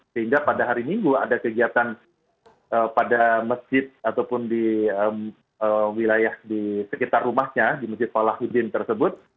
sehingga pada hari minggu ada kegiatan pada masjid ataupun di wilayah di sekitar rumahnya di masjid falahuddin tersebut